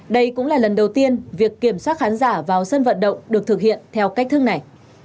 đây cũng là lần đầu tiên việc kiểm soát khán giả vào sân vận động được thực hiện theo cách thức này